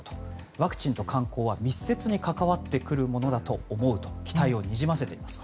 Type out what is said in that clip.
ワクチンと観光は密接に関わってくるものだろうと思うと期待をにじませています。